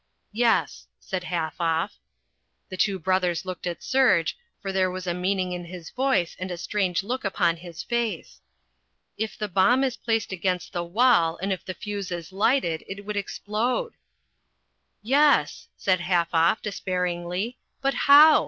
"Yes," said Halfoff. The two brothers looked at Serge, for there was a meaning in his voice and a strange look upon his face. "If the bomb is placed against the wall and if the fuse is lighted it would explode." "Yes," said Halfoff despairingly, "but how?